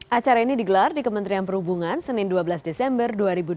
acara ini digelar di kementerian perhubungan senin dua belas desember dua ribu dua puluh